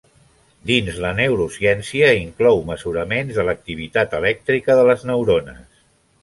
Dins la neurociència, inclou mesuraments de l'activitat elèctrica de les neurones.